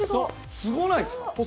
すごないですか？